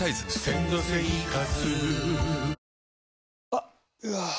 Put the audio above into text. あっ、うわー。